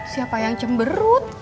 siapa yang cemberut